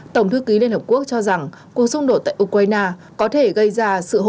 tổng thư ký liên hợp quốc cho rằng cuộc xung đột tại ukraine có thể gây ra sự hỗ trợ